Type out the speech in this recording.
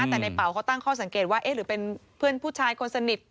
แต่ในเป๋าเขาตั้งข้อสังเกตว่าเอ๊ะหรือเป็นเพื่อนผู้ชายคนสนิท